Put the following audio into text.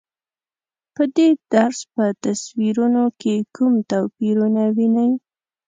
په دې درس په تصویرونو کې کوم توپیرونه وینئ؟